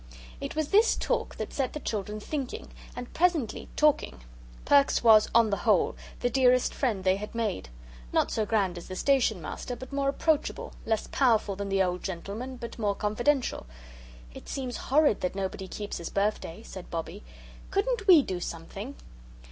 It was this talk that set the children thinking, and, presently, talking. Perks was, on the whole, the dearest friend they had made. Not so grand as the Station Master, but more approachable less powerful than the old gentleman, but more confidential. "It seems horrid that nobody keeps his birthday," said Bobbie. "Couldn't WE do something?"